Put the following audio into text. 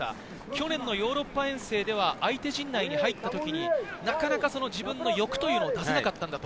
去年のヨーロッパ遠征では相手陣内に入った時に、なかなか自分の欲というのを出せなかった。